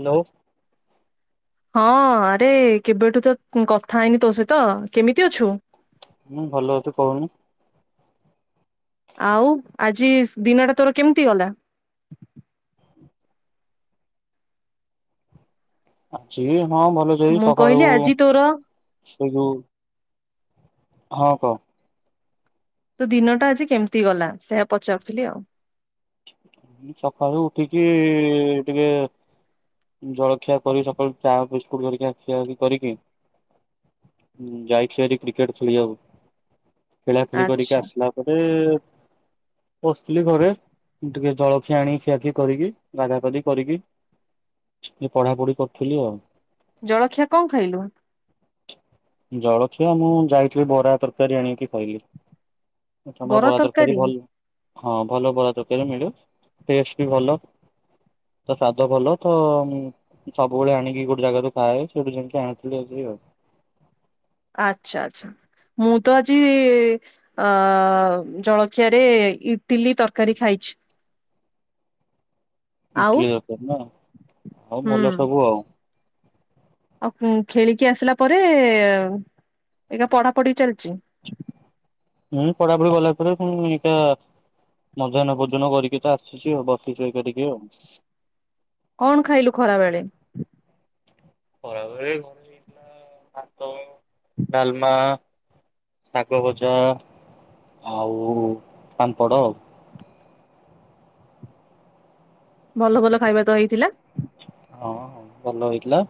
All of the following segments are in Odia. ହ୍ୟାଲୋ। ହଁ ଆରେ କେବେଠୁ ତ କଥା ହେଇନି ତୋ ସହିତ କେମିତି ଅଛୁ? ହୁଁ ଭଲ ଅଛି କହୁନୁ। ଆଉ ଆଜି ଦିନଟା ତୋର କେମତି ଗଲା? ଅଛି ହଁ ଭଲ ସେଇ ମୁଁ ସକାଳୁ କହିଲି ଆଜି ତୋର ସେ ଯୋଉ ହଁ କହ। ତୋ ଦିନଟା ଆଜି କେମତି ଗଲା ସେୟା ପଚାରୁଥିଲି ଆଉ। ସକାଳୁ ଉଠିିକି ଟିକେ ଜଳଖିଆ କରିକି ସକାଳୁ ଚା ବିସ୍କୁଟ ହେରିକା ଖିଆଖିଇ କରିକି ଯାଇଥିଲି ହାରି କ୍ରିକେଟ ଖେଳିବାକୁ। ଖେଳାଖେଳି କରିକି ଆଚ୍ଛା ଆସିଲା ପରେ ବସଥିଲି ଘରେ। ଟିକେ ଜଳଖିଆ ଆଣି ଖିଆଖିଇ କରିକି ବାଗା ବାଗି କରିକି ଟିକେ ପଢାପଢି କରିୁଥିଲି ଆଉ। ଜଳଖିଆ କଣ ଖାଇଲୁ? ଜଳଖିଆ ମୁଁ ଯାଇଥିଲି ବରା ତରକାରୀ ଆଣିକି ଖାଇଲି। ତମର ବରା ତରକାରୀ ଭଲ? ହଁ ଭଲ ବରା ତର କାରୀ ମିଳେ। ଟେଷ୍ଟ ବି ଭଲ। ସ୍ଵାଦ ଭଲ ତ ସବୁବେଳେ ଆଣିକି ଗୋଟେ ଜାଗାକୁ ଖାଏ ସେଠୁ ଯାଇଁକି ଆଣିଥିଲି ଆଜି ଆଉ। ଆଚ୍ଛା ଆଚ୍ଛା। ମୁଁ ତ ଆଜି ଅ ଜଳଖିଆରେ ଇଟିଲି ତରକାରୀ ଖାଇଛି। ଆଉ ଇଟିଲୀ ତରକାରୀ ନା ଆଉ ହୁଁ ଭଲ ସବୁ ଆଉ। ଆଉ ଖେଳିକି ଆସିଲା ପରେ ଏକା ପଢାପଢି ଚାଲିଛି। ହୁଁ ପଢାପଢି କଲା ପରେ ପୁଣି ଏଇକା ମଧ୍ୟାହ୍ନ ପର୍ଯ୍ୟନ୍ତ କରିକି ତ ଆସିଛୁ ଆଉ ବସିଛୁ ଏଇକା ଟିକେ ଆଉ। କଣ ଖାଇଲୁ ଖରାବେଳେ? ଖରାବେଳେ ଘରେ ହେଇଥିଲା ଭାତ, ଡାଲମା ଶାଗ ଭଜା ଆଉ ପାମ୍ପଡ଼ ଆଉ। ଭଲ ଭଲ ଖାଇବା ତ ହେଇଥିଲା। ହଁ ଭଲ ହେଇଥିଲା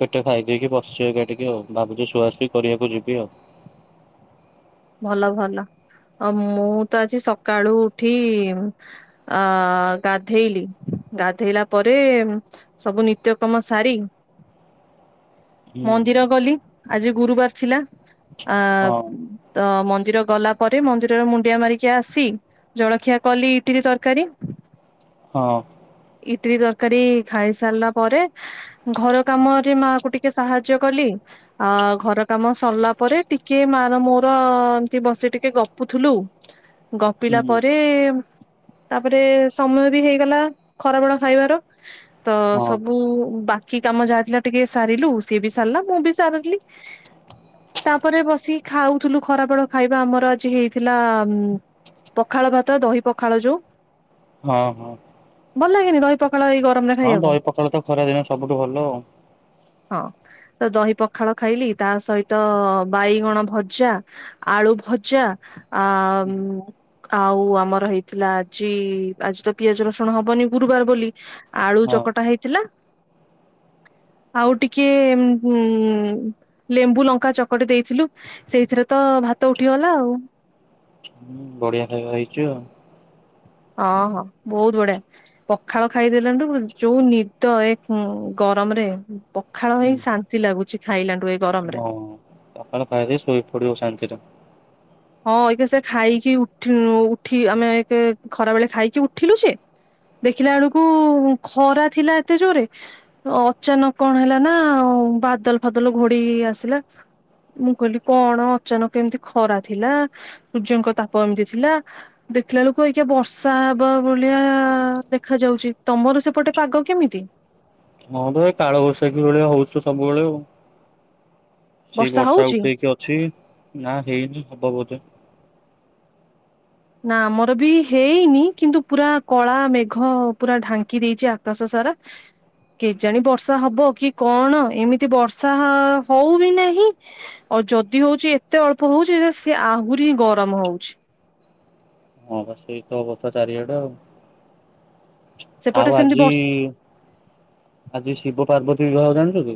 ପେଟେ ଖାଇ ଦେଇକି ବସିଛି ଏଇକା ଟିକେ ଆଉ। ଭାବୁଛି ଶୁଆଶୁଇ କରିବାକୁ ଯିବି ଆଉ। ଭଲ ଭଲ ଆ ମୁଁ ତ ଆଜି ସକାଳୁ ଉଠି ଆ ଗାଧେଇଲି ଗାଧେଇଲା ପରେ ସବୁ ନିତ୍ୟକ୍ରମ ସାରି ହୁଁ ମନ୍ଦିର ଗଲି ଆଜି ଗୁରୁବାର ଥିଲା। ଆ ହଁ ତ ମନ୍ଦିର ଗଲା ପରେ ମନ୍ଦିରରେ ମୁଣ୍ଡିଆ ମାରିକି ଆସି ଜଳଖିଆ କଲି ଇଟିଲି ତରକାରୀ। ହଁ। ଇଟିଲି ତରକାରୀ ଖାଇ ସାରିଲା ପରେ ଘର କାମରେ ମାଆ କୁ ଟିକେ ସାହାଯ୍ୟ ଜ କଲି ଆ ଘର କାମ ସରିଲା ପରେ ଟିକେ ମାର ମୋ ତ ଅ ଏମତି ବସି ଟିକେ ଗପୁଥୁଲୁ। ଗପିଲା ହୁଁ ପରେ-ଏ-ମ୍ ତାପରେ ସମୟ ବି ହେଇଗଲା ଖରା ବେଳ ଖାଇବାର। ତ ହଁ ସବୁ ବାହ୍ କି କାମ ଯାହା ଥିଲା ଟିକେ ସାରିଲୁ। ସିଏ ବି ସାରିଲା, ମୁଁ ବି ସାରିଲି ତାପରେ ବସିକି ଖାଉ। ଥିଲୁ ଖରା ବେଳ ଖାଇବା ଆମର ଆଜି ହେଇଥିଲା ଉ ପଖାଳ ଭାତ ଦହି ପଖାଳ ଯୋଉ ହଁ ହଁ। ଭଲ ଲାଗେନି ଦହି ପ ହଁ ଦହି ପଖାଳ ତ ଖରା ଦିନ ସବୁଠୁ ଭଲ ଆଉ। ହଁ ତ ଦହି ପଖାଳ ଖାଇଲି ତା ସହିତ ବାଇଗଣ ଭଜା, ଆଳୁ ଭଜା ଆ-ଆ- ମ୍। ଆଉ ଆମର ହେଇଥିଲା ଆଜି ଆଜି ତ ପିଆଜ ରସୁଣ ହବନି ଗୁରୁବାର ବୋଲି। ଆଳୁ ହଁ ଚକଟା ହେଇଥିଲା। ଆଉ ଟିକେ ଉ-ଉଁ ଲେମ୍ବୁ ଲଙ୍କା ଚକଟି ଦେଇଥିଲୁ। ସେଇଥିରେ ତ ଭାତ ଉଠିଗଲା ଆଉ। ବଢିଆ ଖାଇବା ହେଇଚି ଆଉ। ହଁ ହଁ ବହୁତ ବଢିଆ। ପଖାଳ ଖାଇଦେଲାଠୁ ଯୋଉ ନିଦ ଖୁଁ ଏ ଗରମରେ। ପଖାଳ ଖାଇ ଶାନ୍ତି ଲାଗୁଛି। ଥାଇଲାଣ୍ଡୁ ଏ ଗରମରେ ହଁ ପଖାଳ ଖାଇକି ଶୋଇ ପଡିବ ଶାନ୍ତିରେ। ହଁ ଏଇକା ସେ ଖାଇକି ଉଠ ଉଠି ଆମେ ଏକ ଖରା ବେଳେ ଖାଇକି ଉଠିଲୁ ଯେ। ଦେଖିଲା ବେଳକୁ ଖରା ଥିଲା ଏତେ ଜୋରେ ଅଚାନକ କଣ ହେଲାନା ବାଦଲ ଫାଦଲ ଘୋଡେଇ ଆସିଲା। ମୁଁ କହିଲି କଣ ଅଚାନକ ଏମିତି ଖରା ଥିଲା ସୂର୍ଯ୍ୟଙ୍କ ତାପ ଏମିତି ଥିଲା ଦେଖିଲା ବେଳକୁ ଅଇକା ଯୋଉ ବର୍ଷା ହେବା ଭଳିଆ ଦେଖା ଯାଉଛି। ତମର ସେପଟେ ପାଗ କେମିତି? ହଁ ତ ଏଇ କାଳବୈଶାଖୀ ଭଳିଆ ହଉଛି ସବୁବେଳେ ଆଉ। ଛି ବର୍ଷା ଉଠେଇକି ଅଛି, ନା ହେଇନି ହବ ବୋଧେ। ନା ଆମର ବି ହେଇନି କିନ୍ତୁ ପୁରା କଳା ମେଘ ପୁରା ଢାଙ୍କି ଦେଇଛି ଆକାଶ ସାରା। କେଜାଣି ବର୍ଷା ହବ କି କଣ, ଏମିତି ବର୍ଷା ହଉ ବି ନାହିଁ। ଆଉ, ଯଦି ହଉଛି ଏତେ ଅଳ୍ପ ହଉଛି ଯେ ସିଏ ଆହୁରି ଗରମ ହଉଛି। ହ ସେଇତ ଅବସ୍ଥା ଚାରିଆଡେ ଆଉ। ସେପଟେ ଆଉ ସେମିତି ଆଜି ବର୍ଷ ଆଜି ଶିବ ପାର୍ବତୀ ବିିବାହ ଜାଣି [inaudible]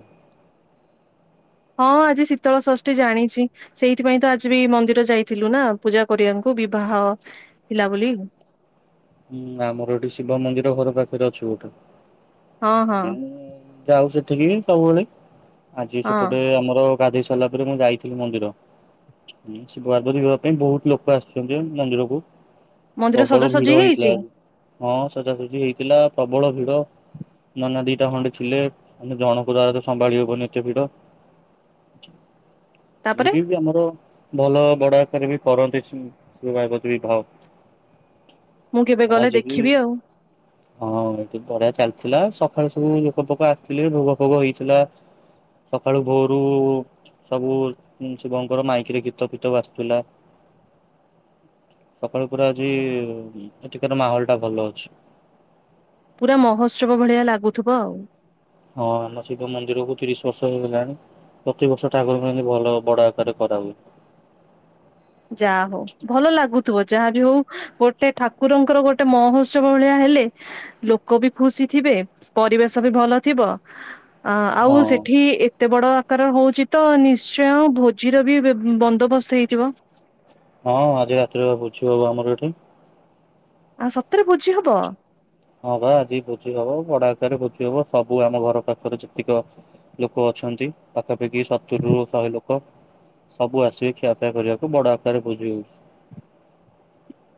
ହଁ ଆଜି ଶୀତଳ ଷଷ୍ଠୀ ଜାଣିଛି। ସେଇଥିପାଇଁ ତ ଆଜି ବି ମନ୍ଦିର ଯାଇଥିଲୁ ନା ପୂଜା କରିବାଙ୍କୁ ବିବାହ ଥିଲା ବୋଲି। ହୁଁ ଆମର ଏଠି ଶିବ ମନ୍ଦିର ଘର ପାଖରେ ଅଛି ଗୋଟେ। ହଁ ଯାଉ ସେ। ଟିକିଏ ସବୁବେଳେ। ଆଜି ହଁ ସେପଟେ ଆମର ଗାଧେଇ ସାରିଲା ପରେ ମୁଁ ଯାଇଥିଲି ମନ୍ଦିର। ଶିବ ପାର୍ବତୀ ବିବାହ ପାଇଁ ବହୁତ ଲୋକ ଆସିଛନ୍ତି ମନ୍ଦିରକୁ। ମନ୍ଦିର ପ୍ରବଳ ଭିଡ଼ ସଜାସଜି ହେଇ ଆଜି ହେଇଛି ହଁ ସଜାସଜି ହେଇଥିଲା। ପ୍ରବଳ ଭିଡ ନନା ଦିଟା ଖଣ୍ଡେ ଥିଲେ ମାନେ ଜଣଙ୍କୁ ତା ଧେରେ ସମ୍ଭାଳି ହବନି ଏତେ ଭିଡ଼। ତାପରେ ଏଇଠି ବି ଆମର ଭଲ ବଡ ଆକାରରେ ବି କରନ୍ତି ଶିବ ପାର୍ବତୀ ବିବାହ। ମୁଁ କେବେ ଗଲେ ଆଜି ବି ଦେଖିବି ଆଉ ହଁ ଏଠି ବଢି଼ଆ ଚାଲିଥିଲା ସଖାଳୁ ସବୁ ଲୋକ ପୋକ ଆସିଥିଲେ ଭୋଗ ଫୋଗ ହେଇଥିଲା। ସକାଳୁ ଭୋରୁ ସବୁ ଶିବଙ୍କର ମାଇକିରେ ଗୀତ ଫିତ ବାଜୁଥିଲା। ସକାଳୁ ପୁରା ଆଜି ଏଠିକାର ମାହୋଲ ଟା ଭଲ ଅଛି। ପୁରା ମହୋତ୍ସବ ଭଳିଆ ଲାଗୁଥିବ ଆଉ। ହଁ ଆମ ଶିବ ମନ୍ଦିରକୁ ତିରିଶ ବର୍ଷ ହେଇଗଲାଣି ପ୍ରତିିବର୍ଷ ଠାକୁରଙ୍କ ପାଖରେ ଭଲ ବଡ଼ ଆକାରରେ କରା ହୁଏ। ଯାହା ହଉ ଭଲ ଲାଗୁଥିବ ଯାହାବି ହଉ ଗୋ ଟେ ଠାକୁରଙ୍କର ଗୋଟେ ମହୋତ୍ସବ ଭଳିଆ ହେଲେ ଲୋକ ବି ଖୁସି ଥିବେ ପରିବେଶ ବି ଭଲ ଥିବ ଅ ଆଉ ହଁ। ସେଠି ଏତେ ବଡ କାରଣ ହଉଛି ତ ନିଶ୍ଚୟ ଆଉ ଭୋଜିର ବି ବନ୍ଦୋବସ୍ତ ହେଇଥିବ। ହଁ ଆଜି ରାତିରେ ପା ଭୋଜି ହବ ଆମର ଏଠି। ଆଉ ସତରେ ଭୋଜି ହବ? ହଁ ବା ଆଜି ଭୋଜି ହବ ବଡ ଆକାରରେ ଭୋଜି ହବ ସବୁ ଆମ ଘର ପାଖରେ ଯେତିକ ଲୋକ ଅଛନ୍ତି ପାଖାପାଖି ସତୁରୀରୁ ଶହେ ଲୋକ ସବୁ ଆସିବେ ଖିଆପିଆ କରିବାକୁ ବଡ ଆକାରରେ ଭୋଜି ହଉଛି।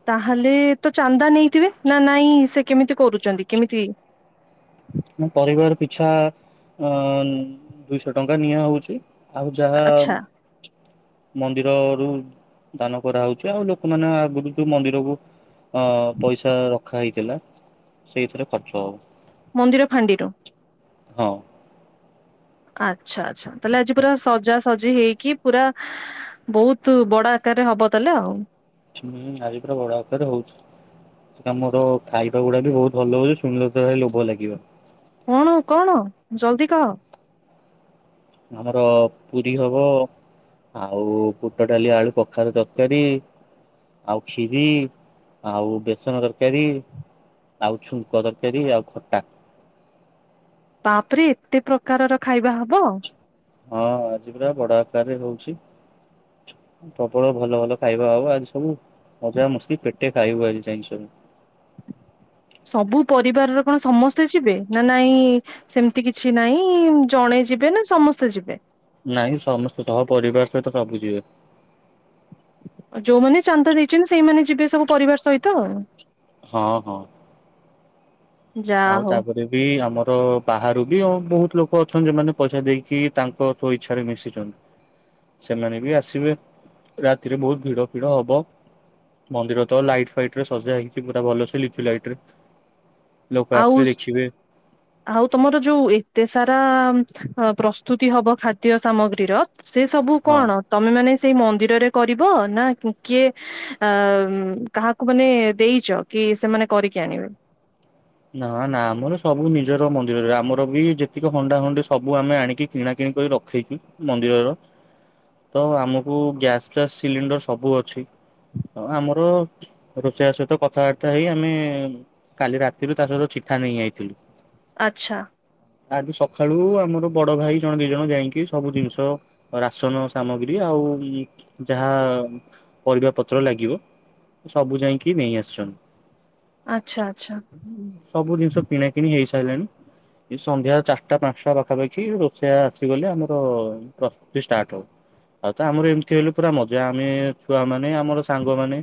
ତାହେଲେ ତ ଚାନ୍ଦା ନେଇଥିବେ ନା ନାଇଁ ସେ କେମିତି କରୁଛନ୍ତି କେମିତି? ପରିବାର ପିଛା ଅଂ ଦୁଇଶହ ଟଙ୍କା ନିଆ ହଉଛି ଆଉ ଯାହା ଆଚ୍ଛା ମନ୍ଦିର ରୁ ଦାନ କରାହଉଚି ଆଉ ଲୋକମାନେ ଆଗରୁ ଯୋଉ ମନ୍ଦିରକୁ ହଁ ପଇସା ର ରଖା ହେଇଥିଲା ସେଇଥିରେ ଖର୍ଚ୍ଚ ହବ। ମନ୍ଦିର ଫାଣ୍ଡିରୁ? ହଁ। ଆଚ୍ଛା ଆଚ୍ଛା ତା ହେଲେ ଆଜି ପୁରା ସଜାସଜି ହେଇକି ପୁରା ବହୁତ ବଡ଼ ଆକାରରେ ହବ ତାହେଲେ ଆଉ। ହୁଁ ଆଜି ପୁରା ବଡ଼ ଆକାରରେ ହଉଛି। ନା ମୋର ଖାଇବା ଗୁଡ଼ା ବି ବହୁତ୍ ଭଲ ହଉଛି ଶୁଣିଲେ ତତେ ଭାରି ଲୋଭ ଲାଗିବ। କଣ କଣ ଜଲଦି କହ। ଆମର ପୁରୀ ହବ ଆଉ ବୁଟ ଡାଲି ଆଳୁ କଖାରୁ ତରକାରୀ ଆଉ ଖୀରି ଆଉ ବେସନ ତରକାରୀ ଆଉ ଛୁଙ୍କ ତରକାରୀ ଆଉ ଖଟା। ବାପ୍ ରେ ଏତେ ପ୍ରକାରର ଖାଇବା ହବ। ହଁ ଆଜି ପୁରା ବଡ଼ ଆକାରରେ ହଉଛି। ପ୍ରବଳ ଭଲ ଭଲ ଖାଇବା ହବ ଆଜି ସବୁ ମଜାମସ୍ତି ପେଟେ ଖାଇବୁ ଆଜି ଯାଇଁକି ସବୁ। ସବୁ ପରିବାରର କଣ ସମସ୍ତେ ଯିବେ ନା ନାଇଁ ସେମିତି କିଛି ନାଇଁ ଜଣେ ଯିବେ ନା ସମସ୍ତେ ଯିବେ? ନାଇଁ ସମସ୍ତେ ସହ ପରିବାର ସହିତ ସବୁ ଯିବେ। ଯୋଉମାନେ ଚାନ୍ଦା ଦେଇଚନ୍ତି ସେଇମାନେ ଯିବେ ସବୁ ପରିବାର ସହିତ ଆଉ। ହଁ ହଁ। ଯାହା ଆଉ ହଉ ତାପରେ ବି ଆମର ବାହାରୁ ବି ଆମର ବହୁତ୍ ଲୋକ ଲୋକ ଅଛନ୍ତି ଯୋଉମାନେ ପଇସା ଦେଇକି ତାଙ୍କ ସ୍ବ ଇଚ୍ଛାରେ ମିଶିଛନ୍ତି। ସେମାନେ ବି ଆସିବେ ରାତିରେ ବହୁତ୍ ଭିଡ଼ ଫିଡ଼ ହବ। ମନ୍ଦିର ତ ଲାଇଟ ଫାଇଟ ରେ ସଜା ହେଇଛି ପୁରା ଭଲସେ ଲିଚୁ ଲାଇଟ୍ ରେ ଲୋକ ଆଉ ଆସିଲେ ଦେଖିବେ ଆଉ ତମର ଯୋଉ ଏତେ ସାରା ଅ ପ୍ରସ୍ତୁତି ହବ ଖାଦ୍ୟ ସାମଗ୍ରୀର ସେ ସବୁ ହଁ କଣ ତମେ ମାନେ ସେଇ ମନ୍ଦିରରେ କରିବ ନା କିଏ କାହାକୁ ମାନେ ଦେଇଛ କି ସେମାନେ କରିକି ଆଣିବେ। ନା ନା ଆମର ସବୁ ନିଜର ମନ୍ଦିରରେ ଆମର ବି ଯେତିକି ହଣ୍ଡା ହଣ୍ଡି ସବୁ ଆମେ ଆଣିକି କିଣା କିଣି କରି ରଖେଇଛୁ ମନ୍ଦିରର ତ ଆମକୁ ଗ୍ୟାସ ଫ୍ୟାସ ସିଲିଣ୍ଡର ସବୁ ଅଛି ଆମର ରୋଷେଇଆ ସହିତ କଥାବାର୍ତ୍ତା ହେଇ ଆମେ କାଲି ରାତି [unintelligible] ଚିଠା ନେଇଆଇଥିଲୁ ଆଚ୍ଛା। ଆଜି ସକାଳୁ ଆମର ବଡ଼ ଭାଇ ଜଣେ ଦି ଜଣ ଯାଇକି ସବୁ ଜିନିଷ ରାସନ୍ ସାମଗ୍ରୀ ଆଉ ଯାହା ପରିବା ପତ୍ର ଲାଗିବ ସବୁ ଯାଇକି ନେଇ ଆସିଛନ୍ତି। ଆଚ୍ଛା ଆଚ୍ଛା। ସବୁ ଜିନିଷ କିଣା କିିଣି ହେଇସାରିଲାଣି ସନ୍ଧ୍ୟା ଚାରିଟା ପାଞ୍ଚଟା ପାଖାପାଖି ରୋଷେଇଆ ଆସିଗଲେ ଆମର ପ୍ରସ୍ତୁତି ଷ୍ଟାର୍ଟ୍ ହବ ଆଉ ତ ଆମର ଏମିତି ହେଲେ ପୁରା ମଜା ଆମେ ଛୁଆମାନେ ଆମର ସାଙ୍ଗମାନେ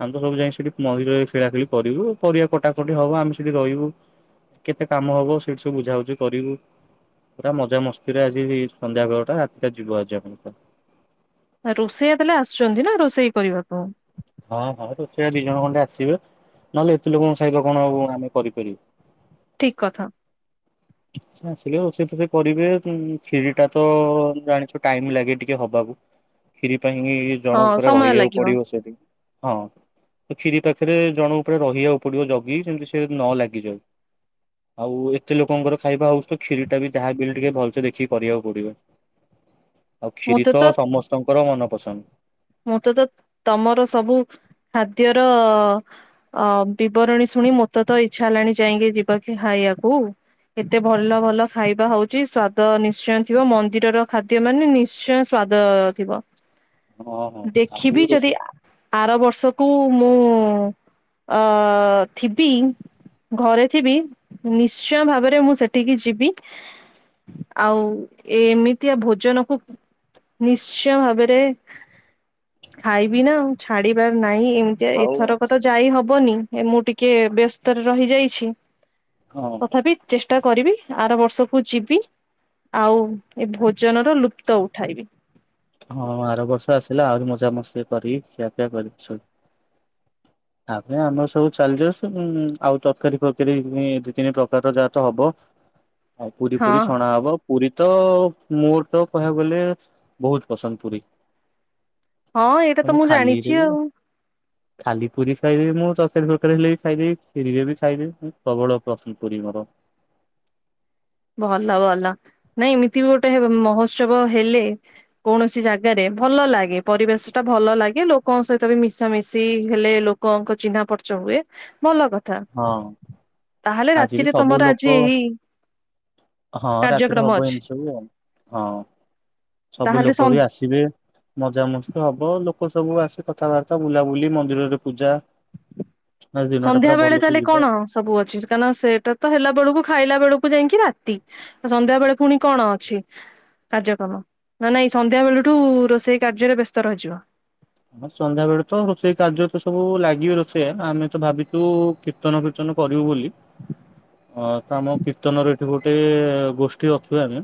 ଆମେ ତ ସବୁ ଯାଇ ସେଠି ମହିର ଖେଳାଖେଳି କରିବୁ ପରିବା କଟାକ କଟି ହବ ଆମେ ସେଠି ରହିବୁ କେତେ କାମ ହବ ସେଠି ସବୁ ବୁଝାବୁଝି କରିବୁ ପୁରା ମଜା ମସ୍ତିରେ ଆଜି ସନ୍ଧ୍ୟା ବେଳଟା ରାତିଟା ଯିବ ଆଜି ଆପଣଙ୍କ ରୋଷେଇଆ ଦେଲେ ଆସୁଛନ୍ତି ନା ରୋଷେଇ କରିବାକୁ। ହଁ ହଁ ତ ସେ ଦି ଜଣ ଖଣ୍ଡେ ଆସିବେ ନହେଲେ ଏତେ ଲୋକଙ୍କ ଖାଇବା କଣ ଆମେ କରିପାରିବୁ। ଠିକ୍ କଥା। ଆସିଲେ ରୋଷେଇ ଫୋସେଇ‌ କରିବେ କ୍ଷୀରି ଟା ତ ଜାଣିଛୁ ଟାଇମ ଲାଗେ ଟିକେ ହବାକୁ କି ସେଥି ପାଇଁ କି ହଁ ଜଣଙ୍କ ପୁରା ସମୟ ରହିିବାକୁ ଲାଗିବ ପଡ଼ିବ ସେଠି। ହଁ କ୍ଷୀରି ପାଖରେ ଜଣ ପରେ ରହିବାକୁ ପଡ଼ିବ ଜଗିକି ଯେମିତି ସେ ନ ଲାଗିଯାଉ ଆଉ ଏତେ ଲୋକଙ୍କର ଖାଇବା ହଉଛି କ୍ଷୀରି ଟା ବି ଯାହା ବି ହେଲେ ଟିକେ ଭଲ ସେ ଦେଖିକି କରିବାକୁ ପଡ଼ିବ। ଆଉ କ୍ଷୀରି ତ ସମସ୍ତଙ୍କୁ କର ମନପସନ୍ଦ। ମୁଁ ତ ତ ତମର ସବୁ ଖାଦ୍ୟର ଅ ବିବରଣୀ ଶୁଣି ମୋତେ ତ ଇଚ୍ଛା ହେଲାଣି ଯାଇକି ଯିବାକି ଖାଇବାକୁ ଏତେ ଭଲ ଭଲ ଖାଇବା ହଉଚି ସ୍ଵାଦ ନିଶ୍ଚୟ ଥିବ ମନ୍ଦିର ର ଖାଦ୍ୟ ମାନେ ନିଶ୍ଚୟ ସ୍ଵାଦ ଥିବ। ହଁ ହଁ ଆଉ ଦେଖିବି ଯଦି ରୋଷେ ଆର ବର୍ଷକୁ ମୁଁ ଅ ଥିବି ଘରେ ଥିବି ନିଶ୍ଚୟ ଭାବରେ ମୁଁ ସେଠିକି ଯିବି ଆଉ ଏମିତିଆ ଭୋଜନକୁ ନିଶ୍ଚୟ ଭାବରେ ଖାଇବି ନା ଛାଡ଼ିବା ର ନାଇଁ। ନାଇଁ ଏମିତି ଆଉ ଏଥରକ ତ ଯାଇ ହବ ହବନି ଏ ମୁଁ ଟିକେ ବ୍ୟସ୍ତରେ ରହିଯାଇଛି ହଁ ତଥାପି ଚେଷ୍ଟା କରିବି ଆର ବର୍ଷକୁ ଯିବି ଆଉ ଏ ଭୋଜନର ଲୁପ୍ତ ଉଠାଇବି ହଁ ଆର ବର୍ଷ ଆସିଲା ଆହୁରି ମଜା ମସ୍ତି କରି ଖିଆ ପିଆ କରିବି ସ ତା ପାରେ ଆମର ସବୁ ଚାଲିଯାଉଛୁ ଆଉ ତରକାରୀ ଫରକାରୀ ଦି ତିନି ପ୍ରକାରର ଯାହା ତ ହବ ଆଉ ପୁରୀ ହଁ ପୁରୀ ଛଣା ହବ ପୁରୀ ତ ମୋର ତ କହିବାକୁ ଗଲେ ବହୁତ ପସନ୍ଦ ପୁରୀ ହଁ ଏଇଟା ତ ମୁଁ ଜାଣିଛି ଆଉ ଖାଇି ମୁଁ ତୀକାର ହେଲେ ବି ଖାଇଦବି ଫରିବେ ବି ଖାଇଦେି ମୁ ପ୍ରବଳ ପସନ୍ଦ କର ମୋର। ଭଲ ଭଲ ନାଇଁ ଏମିତି ବି ଗୋଟେ ମହୋତ୍ସବ ହେଲେ କୌଣସି ଜାଗାରେ ଭଲ ଲାଗେ ପରିବେଶ ଟା ଭଲ ଲାଗେ ଲୋକଙ୍କ ସହିତ ବି ମିଶାାମିଶି ହେଲେ ଲୋକଙ୍କ ଚିହ୍ନା ପର୍ଚ ହୁଏ ଭଲ କଥା। ହଁ ତାହେଲେ ଆଜି ବି ରାତିରେ ସବୁ ତମର ଲୋକ ଆଜି ଏହି ହଁ ରାତିରେ କାର୍ଯ୍ୟକ୍ରମ ହବ ଅଛି ଏମିତି ସବୁ ଆଉ ହଁ ସବୁ ତାହେଲେ ଲୋକ ବି ସନ୍ଧ୍ୟା ଆସିବେ ମଜାମଜ ହବ ଆଉ ଲୋକ ସବୁ ଆସି କଥାବାର୍ତ୍ତା ବୁଲାବୁଲି ମନ୍ଦିରରେ ପୂଜା। ଆଜି ଦିନଟା। ସଧ୍ୟା ପୁରା ବେଳେ ଭଲସେ ତାହେଲେ ଯିବ। କଣ ସବୁ ଅଛି କାହିଁକ ସେଟ ତ ହେଲା ବବେଳକୁ ଖାଇଲା ବେଳକୁ ଯାଇକି ରାତି ସନ୍ଧ୍ୟା ବେଳେ ପୁଣି କଣ ଅଛି କାର୍ଯ୍ୟକ୍ରମ ନା ନାଇଁ ସନ୍ଧ୍ୟା ବେଳଠୁ ରୋଷେଇ କାର୍ଯ୍ୟରେ ବ୍ୟସ୍ତ ରହିଯିବ। ହ ସନ୍ଧ୍ୟା ବେଳେ ତ ରୋଷେଇ କାର୍ଯ୍ୟ ତ ସବୁ ଲାଗିବି ରୋଷେଇ ଆମେ ତ ଭାବିଛୁ କୀର୍ତ୍ତନ କୀର୍ତ୍ତନ କରିବୁ ବୋଲି। ହଁ ତ ଆମ କୀର୍ତ୍ତନର ଏଇଠି ଗୋଟେ ଗୋଷ୍ଠୀ ଅଛୁ ଆମେ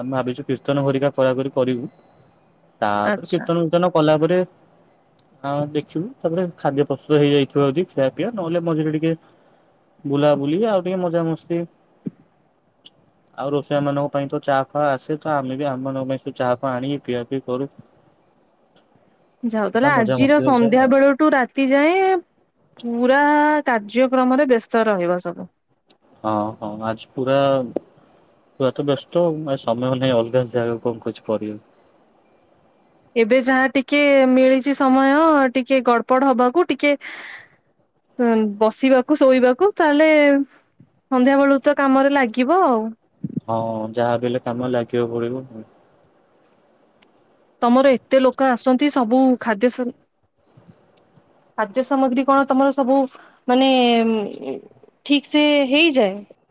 ଆମେ ଭାବିଛୁ କୀର୍ତ୍ତନ ଭରିକା ଖରାକରି କରିବୁ। ତାପରେ ଆଚ୍ଛା। କୀର୍ତ୍ତନ ପୀର୍ତ୍ତନ କଲା ପରେ ଆ ଦେଖିବୁ ତାପରେ ଖାଦ୍ୟ ପ୍ରସ୍ତୁତ ହେଇଯାଇଥିବ ଯଦି ଖିଆ ପିଆ। ନହେଲେ ମଝିରେ ଟିକେ ବୁଲାବୁଲି ଆଉ ଟିକେ ମଜାମସ୍ତି। ଆଉ ରୋଷେଇଆ ମାନଙ୍କ ପାଇଁ ତ ଚାହା ଫା ଆସେ ତ ଆମେ ବି ଆମ ମାନଙ୍କ ପାଇଁ ସବୁ ଚା ଫା ଆଣିକି ପିଆ ପିଇ କରୁ। ଯାଉ ପୁରା ତାହେଲେ ମଜା ଆଜିର ମସ୍ତିରେ ଯାଏ ସନ୍ଧ୍ୟା ଆଉ। ବେଳଠୁ ରାତି ଯାଏଁ-ଏ-ଏ ପୁରା-ଆ-ଆ କାର୍ଯ୍ୟକ୍ରମରେ ବ୍ୟସ୍ତ ରହିବ ସବୁ। ହଁ ହଁ ଆଜି ପୁରା-ଆ -ଆ ପୁରା ତ ବ୍ୟସ୍ତଉ ସମୟ ନାହିଁ ଅଲଗା ଜାଗା କଣ କିଛି କରିବା ଏବେ ଯାହା ଟିକେ ମିଳିଛି ସମୟ ଟିକେ ଗଡପଡ ହବାକୁ, ଟିକେ ଉ ବସିବାକୁ ଶୋଇବାକୁ ତାହେଲେ ସନ୍ଧ୍ୟା ବେଳୁ ତ କାମରେ ଲାଗିବ ଆଉ। ହଁ ଯାହା ବିଲେ କାମ ଲାଗିବାକୁ ପଡିବ। ତମର ଏତେ ଲୋକ ଆସନ୍ତି ସବୁ ଖାଦ୍ୟ ସ ଖାଦ୍ୟ ସାମଗ୍ରୀ କଣ ତମର ସବୁ ମାନେ-ଏ-ଏ ଇ ଠିକ ସେ ହେଇଯାଏ?